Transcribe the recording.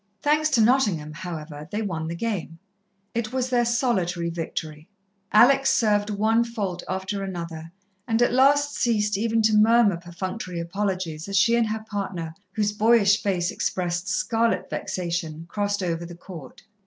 Thanks to Nottingham, however, they won the game. It was their solitary victory. Alex served one fault after another, and at last ceased even to murmur perfunctory apologies as she and her partner, whose boyish face expressed scarlet vexation, crossed over the court.